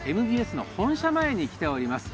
ＭＢＳの本社前に来ています。